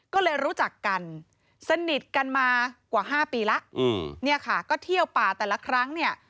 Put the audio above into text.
ก็เลยรู้จักกันสนิทกันมากว่า๕ปีแล้วอืมเนี่ยค่ะก็เที่ยวป่าแต่ละครั้งเนี่ย